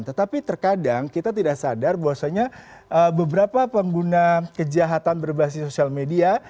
tetapi terkadang kita tidak sadar bahwasanya beberapa pengguna kejahatan berbasis sosial media